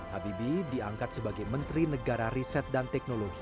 habibie diangkat sebagai menteri negara riset dan teknologi